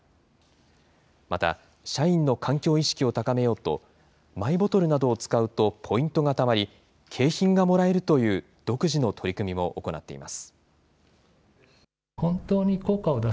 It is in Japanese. また、社員の環境意識を高めようとマイボトルなどを使うとポイントがたまり、景品がもらえるという独自の取り組みも行っています。